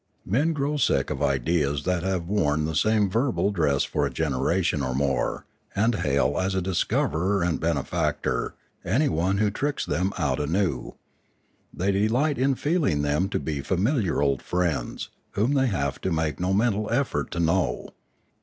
Men grow sick of ideas that have worn the same verbal dress for a generation or more, and hail as a discoverer and benefactor anyone who tricks them out anew; they delight in feeling them to be familiar old friends, whom they have to make no mental effort to know.